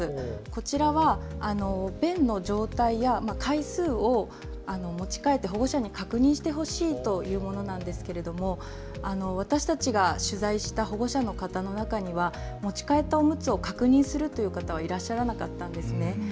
こちらは、便の状態や回数を持ち帰って保護者に確認してほしいというものなんですけれども私たちが取材をした保護者の方の中には、持ち帰ったおむつを確認するという方はいらっしゃらなかったんです。